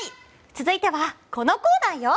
続いてはこのコーナーよ。